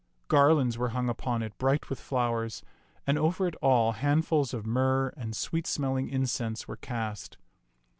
Garlands were hung upon it bright with flowers, and over it all handfuls of myrrh and sweet smelling incense were cast.